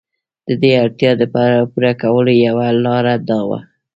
د دې اړتیا د پوره کولو یوه لار دا وه.